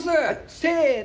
せの。